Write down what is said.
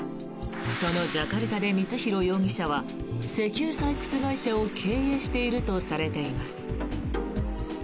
そのジャカルタで光弘容疑者は石油採掘会社を経営しているとされています。